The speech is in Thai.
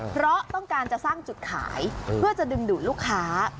เพราะต้องการจะสร้างจุดขายเพื่อจะดึงดูดลูกค้า